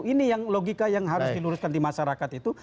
ini yang logika yang harus diluruskan di masyarakat itu